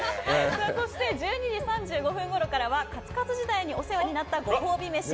そして１２時３５分ごろからはカツカツ時代にお世話になったご褒美飯。